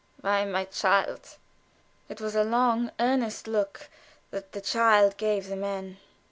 "Why, my child?" It was a long earnest look that the child gave the man.